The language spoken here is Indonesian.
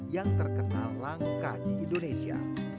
yang terkenal langka di indonesia